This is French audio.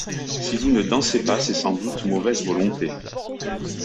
Si vous ne dansez pas, c’est sans doute mauvaise volonté.